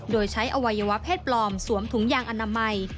โดยใช้อวัยวะเพศปลอมสวมถุงยางอนามัย